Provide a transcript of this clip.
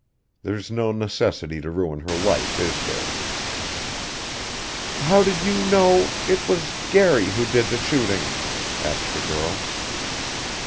There's no necessity to ruin her life, is there?" "How did you know it was Garry who did the shooting?" asked the girl.